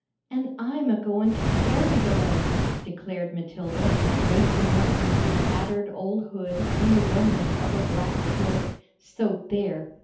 "An' I'm a goin' to carry th' letter," declared Matilda, racing up with her tattered old hood and the remnant of a black cloak, "so there!"